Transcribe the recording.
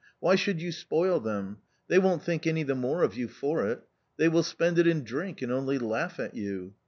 Why should you spoil them ? They won't think any the more of you for it. They will spend it in drink and only laugh at you.